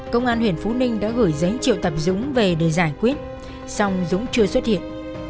công an huyện phú ninh đã gửi giấy triệu tập dũng về để giải quyết song dũng chưa xuất hiện